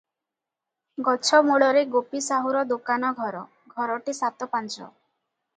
ଗଛମୂଳରେ ଗୋପୀସାହୁର ଦୋକାନ ଘର, ଘରଟି ସାତପାଞ୍ଚ ।